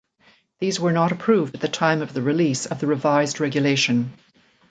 These were not approved at the time of the release of the revised regulation.